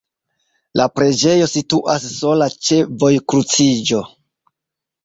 La preĝejo situas sola ĉe vojkruciĝo.